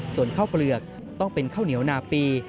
ส่วนข้าวเปลือกต้องเป็นข้าวเหนียวนาปี